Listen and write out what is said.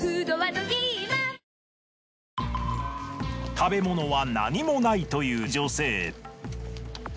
食べ物は何もないという女性。